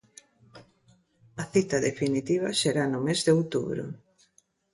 A cita definitiva será no mes de outubro.